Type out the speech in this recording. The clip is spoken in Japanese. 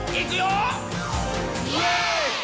「イエーイ！！」